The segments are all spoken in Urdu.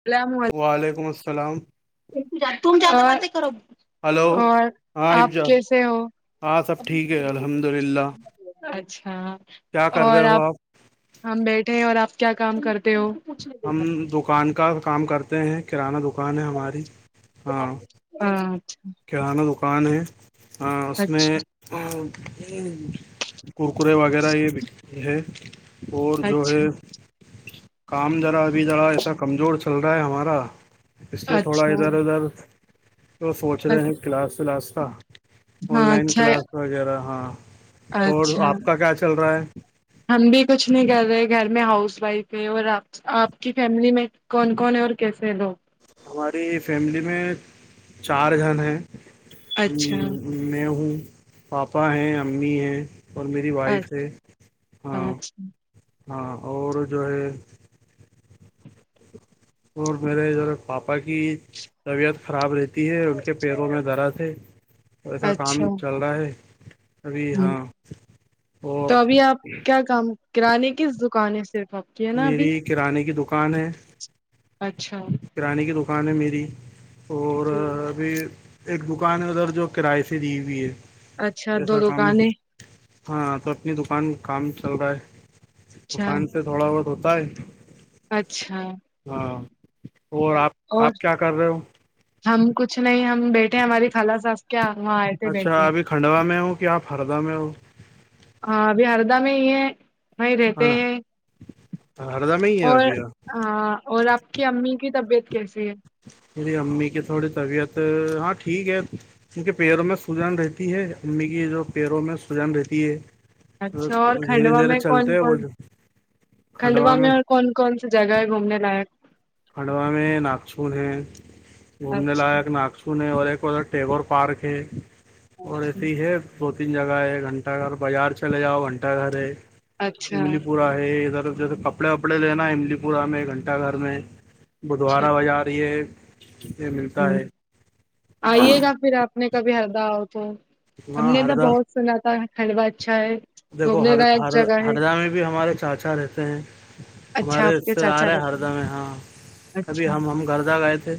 اسلام علیکم وعلیکم السلام [inaudible] ہیلو اور ہاں آپ افجا کیسے ہو ہاں سب ٹھیک ہے الحمد للہ اچھا کیا کر رہے اور ہو آپ ہم بیٹھے ہیں اور آپ کیا کام کرتے ہو ہم دکان کا کام کرتے ہیں کرانہ دکان ہے ہماری ہاں ہممم کرانہ دکان ہے ہاں اس میں اچھا کرکرے وغیرہ یہ بکتے ہے اور جو ہے اچھا کام ذرا ابھی ذرا ایسا کمزور چل رہا ہے ہمارا اس لیے تھوڑا اچھا ادھر ادھر تو سوچ رہے ہیں کلاس ولاس کا آن ہاں لائن اچھا کلاس وغیرہ ہاں اور اچھا آپ کا کیا چل رہا ہے ہم بھی کچھ نہیں کر رہے گھر میں ہاؤس وائف ہے اور آپ آپ کی فیملی میں کون کون ہے اور کیسے ہیں لوگ ہماری فیملی میں چار جن ہیں اچھا میں ہوں پاپا ہیں امی ہیں اور میری وائف اچھا ہے ہاں اچھا ہاں اور جو ہے اور میرے ادھر پاپا پاپا کی طبیعت خراب رہتی ہے ان کے پیروں میں درد ہے ایسا کام اچھا چل رہا ہے ابھی ہ ہاں تو اور ابھی آپ کیا کام کرے کس دکان ہے صرفپ میری کرانے کی دکان ہے اچھا کرانے کی دکان ہے میری اور جی اھی ایک دکان ہے ادھر جو کراائے سے دی ہوئی ہے اچھا دو ایسا کام دکانیں نہیں ہاں تو اپنی دکان کام چل رہا ہے اچھا دکان سے تھوڑا وٹ ہوتا ہے اچھا ہاں اور آپ اور آپ کیا کر رہے ہو ہم کچھ نہیں ہم بیٹھے ہماری خال ساز کیا وہاں آئے تھے اچھا بیٹھنے ابھی کھنڈوا میں ہوں کیا آپ ہردا میں ہوں ہاں ابھی ہردہ میں ہی ہے وہیں رہتے ہیں ہردہ میں ہی ہے اور ابھی ہاں اور آپ کی امی کی طبیعت کیسی ہے میری امی کے تھوڑی طبیعت ہاں ٹھیک ہے کیونک کے پیروں میں سجان رہتی ہے امی کی جو پیروں میں سجان رہتی ہے اچھا اور دھیرے کھڈوا دھیرے میں کون چلتے ہیں. وہ کون کھڈوا میں اور کون کون سی جگہ ہے گھومنے لائق کھڈوا میں نااکسن ہے گھومنے اچھا لائق ناگسن سنے اور ایک اور ٹیگور پارک ہے اور اچھا ایسے ہی ہے دو تین جگہ ہے گھنٹہ گھر بازار چلے جاؤ گھنٹہ گھر ہے اچھا املی پورہ ہے ادھر جیسے کپڑے وپڑے لینا املی پوراہ میں گھنٹہ گھر میں اچھا بدوارہ باز رہ ہے یہ ملتا ہوں ہے آئیے گا پھر آپ نے کبھی ہردا آؤ تو ہم وہاں نے تو ہردا بہت سناتا خلوا اچھا ہے دیکھو گھومنے ہر لائق ہر جگہ ہے ہردہ میں بھی ہمارے چاچا رہتے ہیں اچھا ہمارے آپ کے حصتے آ چاچا رہے ہے رہتے ہیں ہردا میں ہاں کبھی اچھا ہم ہم گردہ گئے تھے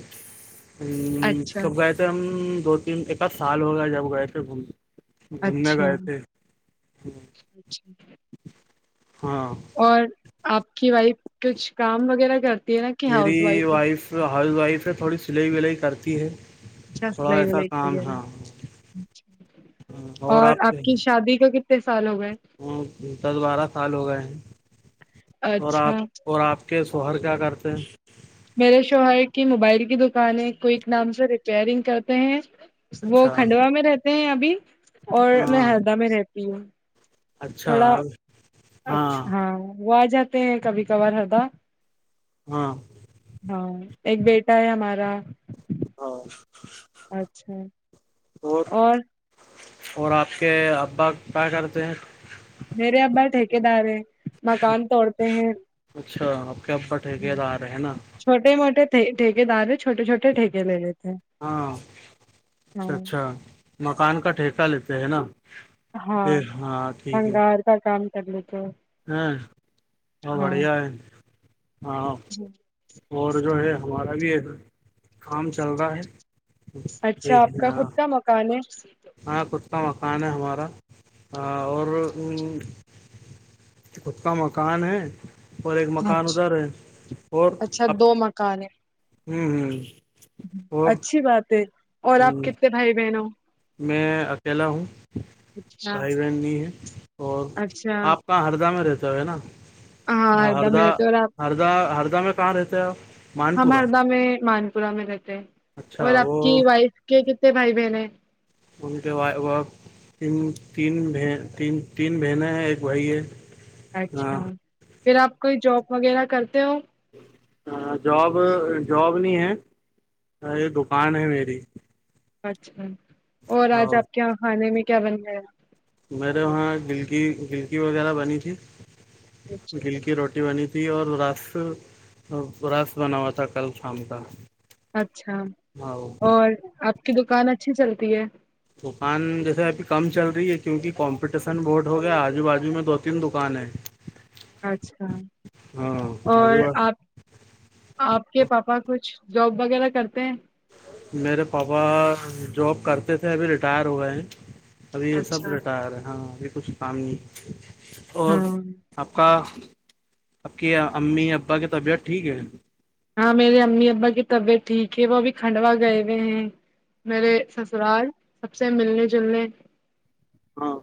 ہ اچھا سب گئے تھے ہم دو تین ایک آدھ سال ہو گئے جب گئے تھے گوم گھومنے اچھا گئے تھے اچھا [unintelligible] ہاں اور آپ کی وائف کچھ کام وغیرہ کرتی ہے نا کہ ہاؤس وائف ہے ہاؤس وائف ہے تھوڑی سلائی ولائی کرتی ہے اچھا تھوڑا سلائی ایسا ولائی کام وغیرہ ہے اور آپ کی شادی کا کتنا سالوں [unintelligible] ہ دس بارہ سال ہو گئے ہیں اور آپ اچھا اور آپ کے سہر کیا کرتے ہیں میرے شوہر کی موبائل کی دکانیں کوئک نام سے ریپئرنگ کرتے ہیں وہ اچھا کھنڈوا میں رہتے ہیں ابھی اور میں ہاں ہردا میں رہتی ہوں اچھا تھوڑا اچھا ہاں وہ آ جاتے ہیں کبھی کبھار ہردا ہاں ہاں ایک بیٹا ہے ہمارا ہاں اچھا اور اور آپ کے ابا کیا کرتے ہیں میرے ابا ٹھیک دار ہے مکان توڑتے ہیں اچھا آپ کیا اب ٹھیکےد آ رہے ہیں نا چھوٹے موٹے ٹھیکے دار چھوٹے چھوٹے ھیکے لیتے ہیں ہاں اچ اچھا ہاں مکان کا ٹھیکہ لیتے ہیں نا ہاں ہاں ٹھیک ہے بنگار کا کام کر لیتے ہاں وہ ہاں بڑھیا ہے آاں اور جو ہے ہمارا بھی ہے کام چل رہا اچھا دیکھ آپ کا ہاں خود کا مکان ہے ہاں خود کا مکان ہے ہمارا اور خود کا مکان ہے اور ایک مکان ادھر ہے اور س اب دو مکان ہے ہوں ہوں اور اچھی بات ہے اور آپ ہوں کتنے بھائی بہن ہو میں اکیلا ہوں اچھا بھائی بہن ہے اور اچھا آپ کہاں ہردہ میں رہتا ہو ہے نا ہاں ہردا ہردہ میں رہتے اور آپ ہردہ ہردہ میں کہاں رہتے ہیں آپ مان ہم پورا ہردا میں مانپورہ میں رہتے اور آپ کی وائف کے کتنے بھائی بہن ہیں ان کے تین تین بہنیں ہیں ایک بھائی ہے اچھا ہاں پھر آپ کوئی جاب وغیرہ کرتے ہو ہ جاب جاب نہیں ہے یہ دکان ہے میری اچھا اور ہاں آج آپ کے یہاں کھانے میں کیا بن گیا گا میرے وہاں گلک گلکی وغیرہ بنی تھی گل کی روٹی بنی تھی تھی اور رس رس بنا ہوا تھا کل شام کا اچھا ہاں اور آپ کی دکان اچھی چلتی ہے دکان جیسے ابھی کم چل رہی ہے کیونکہ کمپٹیشن بہڈ ہو گیا آجو بازو میں دو تین دکان ہے اچھا اور آجو آپ آپ کے پاپا کچھ جاب وغیرہ کرتے ہیں میرے پاپا جاب کرتے تھے ابھی ریٹائر ہوئے ہیں ابھی یہ سب اچھا ریٹائر ہے ہاں ابھی کچھ کام نہیں اور ہاں آپ کا آپ کی امی ابا کی طبیعت ٹھیک ہے ہاں میرے امی ابا کی طبیعت ٹھیک ہے وہ ابھی کھنڈوا گئے ہوئے ہیں میرے سسرال سب سے ملنے جلنے ہاں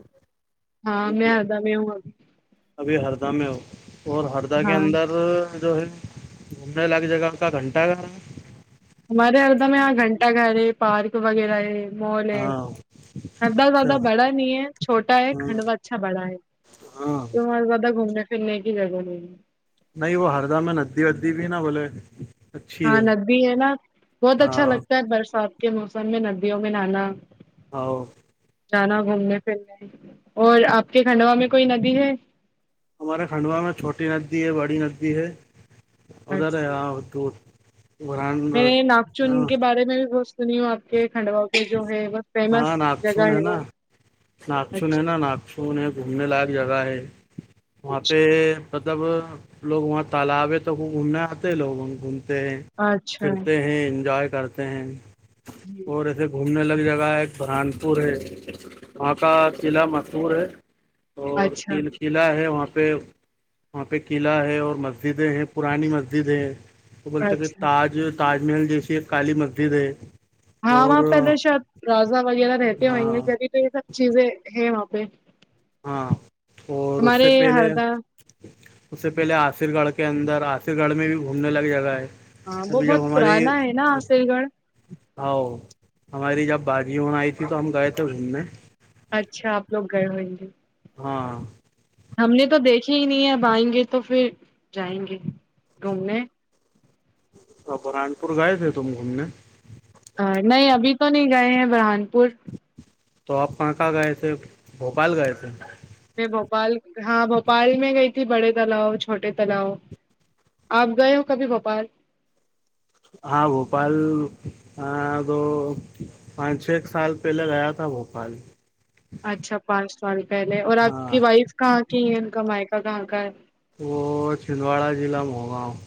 ہاں میں ادا میں ہ آ ابھی ہردہ میں ہو اور ہردہ کے ہاں اندر جو ہے گھومنے لگ جگہ کا گھنٹہ کا ہمارے ہردہ میں یہاں گھنٹہ گھر ہے پارک وغیرہ ہے مول ہے ہاں ادا اچھا زیادہ بڑا نہیں ہے چھوٹا ہے ہاں کھنڈوا اچھا بڑا ہے ہاں تمہ اور زیادہ گھومنے پھرنے کی جگہ نہیں ہے نہیں وہ ہردہ میں ندی ودی بھی نہا بولے اچھی ہاں ہے ندی ہے نا بہت اچھا ہاں لگتا ہے برسات کے موسم میں ندیوں میں نہانا [unintelligible] ا جانا گھومنے پھرنے اور آپ کے کھنڈوا میں کوئی ندی ہے ہمارے کھنڈوا میں چھوٹی ندی ہے بڑی ندی ہے ادھر ہے اچھا، یہاں دور بران میں نے ناگ چن کے بارے میں بھی بت سنی ہوں آپ کے کھنڈ باؤ جو ہے بت ہاں فیمس جگہ ناگچھن ہے نا وہچ انہیں گھومنے لائق جگہ ہے وہاں پہ اچھا م جب لوگ وہاں تالاب ہے تو وہ گھومنے آتے لوگ وہ گ ہیں اچھا پھرتے ہیں انجوائے کرتے ہیں جی [inaudible] اور ایے گھومنے لگی جگہ ہے ایک برہان پور ہے وہاں کا قلعہ مشہور ہے اور اچھا تین قلعہ ہے وہاں پہ وہاں پہ قلعہ ہے اور مسجدیں ہیں پرانی مسجدیں ہیں وہ بولتے کہ اچھا تاج تاج محل جیسی ایک کالی مسجد ہے ہاں وہاں اور پہلے شاید رضہ وغیرہ رہتے ہوئیں گے ہاں جبھی تو یہ سب چیزیں ہیں وہاں پہ ہاں اور اس سے ہمارے پہلے ہردا اس سے پہلے آصر گڑھ کے اندر آصر گڑھ میں بھی گھومنے ل جگہ ہے ہاں وہ ابھی بہت جب پرانا ہے نا عصل گڑھ ہ ہماری جب بازی ہو آئی تھی تو ہم گئے تھے گومنے اچھا آپ لوگ گئے ہوئیں گے ہاں [inaudible] ہم نے تو دیکھے ہی نہیں ہے اب آئیں گے تو پھر جائیں گے گھومنے ہ بران پور گائےئے تھ تم گھومنے نہیں ابھی تو نہیں گئے ہیں برہان پور تو آپ کہاں کہاں گئے تھے بھوپال گائے تھے میں بھوپال ہاں بھوپال میں گئی تھی بڑے تالؤ چھوٹے تالؤ آپ گئے ہو کبھی بھپال ہاں بھوپال ہاں تو پانچ چھ ایک سال پہلے گیا تھا بھوپال اچھا پانچ سال پہلے اور آپ ہاں کی وائف کہاں کی ہے ان کا مائیکا کہاں کا ہے وہ چھندواڑا ضلع م ہوگاؤ [unintelligible]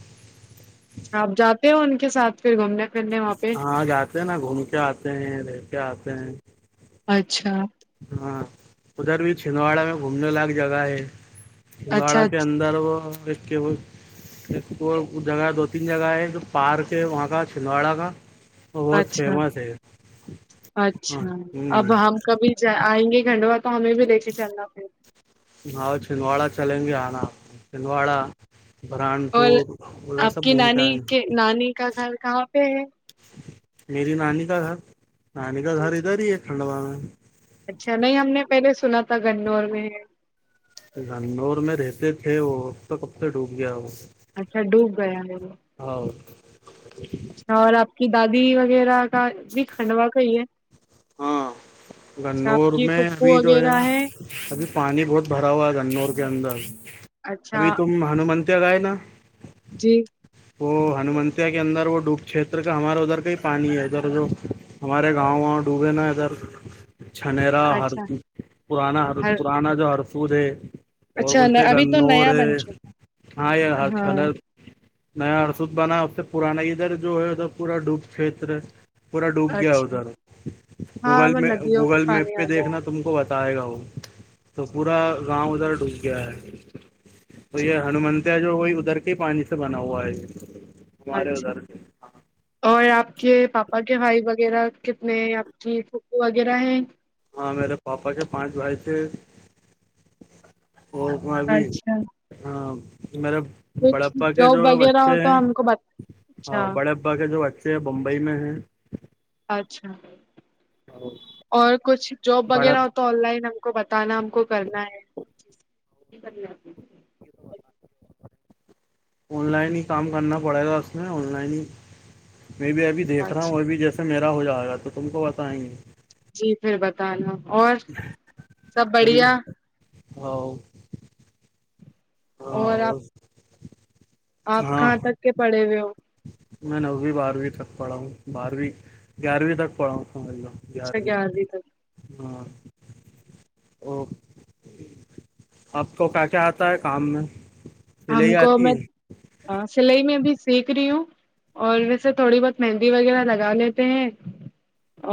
اچ آپ جاتے ہو ان کے ساتھ پھر گھومنے پھرنے وہاں پہ ہاں جاتے ہیں نا گھوم کے آتے ہیں رہ کے آتے ہیں اچھا ہاں ادھر بھی چھندواڑا میں گھومنے لائق جگہ ہے پگاڑا اچھا کے اندر وہ ایک وہ ایک تو جگہ دو تین جگہ ہے جو پارک ہے وہاں کا چھندواڑا کا اور بہت اچھا فیمس ہے ہاں ہ ج آئیں گے گھنڈوا تو ہمیں بھی لے کے چلنا پھر ہؤ چھندواڑا چلیں گے آنا چھندواڑا بران اور پور وہ آپ سب کی گھوم کے نانی آئیں نانی کا گھر کہاں پہ ہے میری نانی کا گھر نانی کا گھر ادھر ہی ہے ٹھنڈ با میں اچھا نہیں ہم نے پہلے سنا تھا گنور میں لنور میں رہتے تھے وہ تو کب سے ڈوب گیا وہ اچھا ڈوب گیا ہے وہ ہاں اچ اور آپ کی دادی وغیرہ کا بھی کنڈ وا کائی ہے ہاں اچ چ آپ گنور کی میں ٹوپو ابھی جو وغیرہ نا ہے ابھی پانی بہت بھرا ہوا ہے گنور کے اندر اچھا ابھی تم ہنومنتیا گئے نا جی وہ ہنومتیا کے اندر وہ ڈوب چھیتر کا ہمارا ادھر کا ہی پانی ہے ادھر جو ہمارے گاؤں گاؤں ڈوبے نا ادھر چھنرا ہر اچھا پرانا ہر پرانا جو ہرسود ہے اور اچھا بولتے ن- ابھی تو کنور نیا ہے بن چکا ہاں یہ ہر ہاں چلر نیا ارسود بنا ا پرانا ادھر جو ہے ادھر پورا ڈوب چھیتر پورا ڈوب گیا اچھا ادھر ہاں گوگل وہ میں ندیوں گوگل میپ پانی پہ آ جائے دیکھنا تو تم کو بتائے گا وہ تو پورا گاؤں ادھر ڈوب گیا ہے تو یہ ہنومنتیا جو وہئی ادھر کے پانی سے بنا ہوا ہے یہ اچھا اور آپ کے پاپا کے بھائی وغیرہ کتنے ہیں آپ کی پھوپو وغیرہ ہیں ہاں میرے پاپا کے پانچ بھائی تھے اور ا بھی اچھا ہاں میرے کچھ بڑپا کے جو جاب وغیرہ ہو بچے تو ہم کو بتا ہیں اچھا بڑے [unintelligible] ا کے جو اچھے ہیں بمبئی میں ہیں اچھا اور اور کچھ جاب بڑا وغیرہ تو آن لائن ہم کو بتانا ہم کو کرنا ہے کرنیتی آن لائن ہی کام کرنا پڑے گا اس میں آن لائن ہی میں بھی ابھی دیکھ رہا ہوں اچھا اوربھی جس سے میرا ہو جائے گا تو تم کو بتائیں گے جی پھر بتانا اور سب بڑھیا ہ [unintelligible] اور آپ آپ ہاں کہاں تک کے پڑے ہوئے ہو میں نوویں بارہویں تک پڑھا ہوں بارہویں گیارہویں تک پڑھا ہوں سمجھ ل اچھا یارویں گیارہویں تک ہاں اوک آپ کو کیا کیا آتا ہے کام میں ہم سلئی کو آتی میں ہے سلائی میں بھی سیکھ رہی ہوں اور ویسے تھوڑی بہت مہندی وغیرہ لگا لیتے ہیں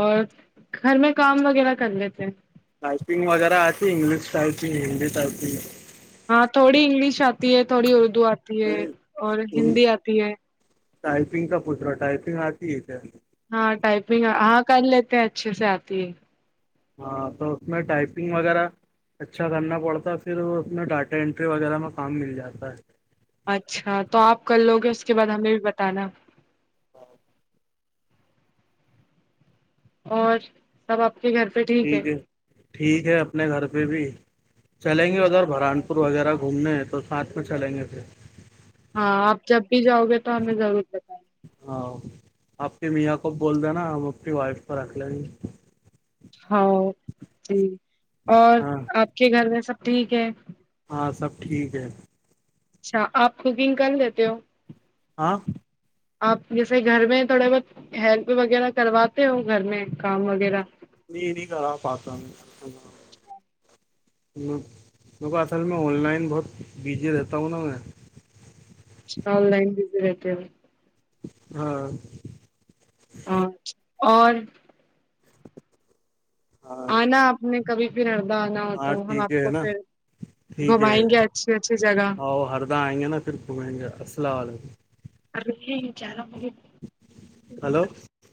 اور گھر میں کام وغیرہ کر لیتے ہیں ٹائپنگ وغیرہ آتی انگلش ٹائپنگ ہندی تٹ آتی ہاں تھوڑی انگلش آتی ہے تھوڑی اردو آتی ہے نہیں اور ہندی آتی ہے ٹائپنگ کا پچ رہا ٹائپنگ آتی ہے کیا ہاں ٹائپنگ ہاں کر لیتے ہیں اچھے سے آتی ہے ہاں تو اس میں ٹائپنگ وغیرہ اچھا کرنا پڑتا ہے پھر اس میں ڈاٹا انٹری وغیرہ میں کام مل جاتا ہے اچھا تو آپ کل لوگے اس کے بعد ہمیں بھی بتانا اور سب آپ کے گھر پہ ٹھیک ہے ٹھیک ہے اپنے گھر پہ بھی چلیں گے ادھر بھران وغیرہ گھومنے ہیں تو ساتھ میں چلیں گے پھر ہاں آپ جب بھی جاؤ گے تو ہمیں ضرور بتائیں گے ہاں آپ کی میاں کو بول دینا ہم اپنی وائف کو رکھ لیں گے ہاں جی اور ہاں آپ کے گھر میں سب ٹھیک ہے ہاں سب ٹھیک ہے اچھا آپ کوکنگ کر لیتے ہو ہاں آپ جیسے گھر میں تھوڑا بہت ہیلپ وغیرہ کرواتے ہو گھر میں کام وغیرہ نہیں نہیں کرا پا ل اصل میں آن لائن بہت بزی رہتا ہوں نا میں آن لائن بزی رہتی ہے ہاں ہاں اور ہاں آنا آپ نے کبھی پھر اردہ آنا ہو تو ہاں ہم ٹھیک آپ کو ہے نا پھر ٹھیک ہے گھمائیں گے اچھی اچھی جگہ آؤ ہردہ آئیں گے نا پھر گھومیں گے السلام علیکم ارے چارا ہو ہلو